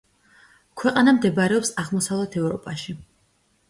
ქვეყანა მდებარეობს აღმოსავლეთ ევროპაში.